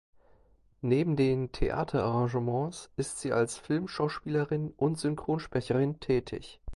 Neben den Theaterengagements ist sie als Filmschauspielerin und Synchronsprecherin tätig.